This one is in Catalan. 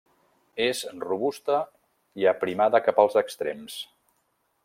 És robusta i aprimada cap als extrems.